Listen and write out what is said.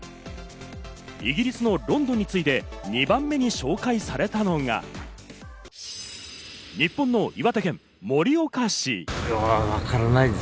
イギリスのロンドンに次いで、２番目に紹介されたのが、日本の岩手県盛岡市。